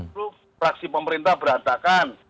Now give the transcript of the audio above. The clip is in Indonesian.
lalu praktik pemerintah berantakan